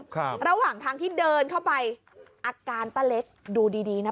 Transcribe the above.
ครับระหว่างทางที่เดินเข้าไปอาการป้าเล็กดูดีดีนะ